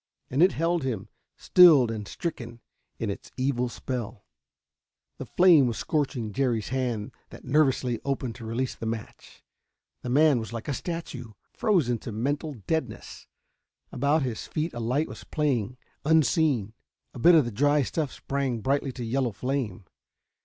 And it held him, stilled and stricken, in its evil spell. The flame was scorching Jerry's hand that nervelessly opened to release the match. The man was like a statue, frozen to mental deadness. About his feet a light was playing, unseen. A bit of the dry stuff sprang brightly to yellow flame.